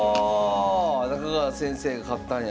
中川先生が勝ったんや。